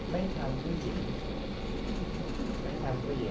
ไม่ทำผู้หญิง